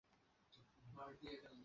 তিনি মঞ্চেও সফল ছিলেন।